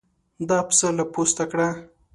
دا پسه له پوسته کړه.